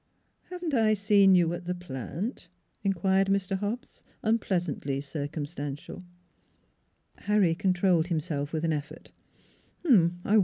"Haven't I seen you at the Plant?" inquired Mr. Hobbs, unpleasantly circumstantial. Harry controlled himself with an effort.